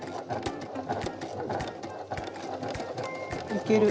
いける。